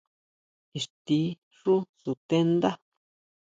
¿Ixtí xú sutendá?